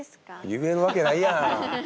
言えるわけないやん。